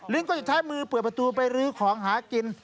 ลิงก็จะใช้มือเปิดประตูไปลื้อของหากิน